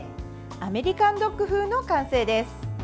アメリカンドッグ風の完成です。